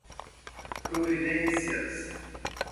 providências